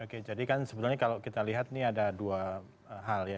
oke jadi kan sebenarnya kalau kita lihat ini ada dua hal ya